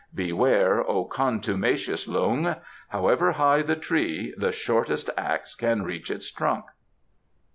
Beware, O contumacious Lung, 'However high the tree the shortest axe can reach its trunk.